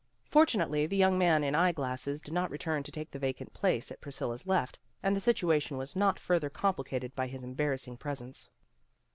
Fortunately the young man in eye glasses did not return to take the vacant place at Priscilla 's left, and the situation was not further complicated by his embarrassing presence.